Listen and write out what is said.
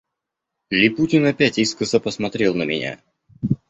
Липутин опять искоса посмотрел на меня.